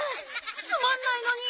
つまんないのに！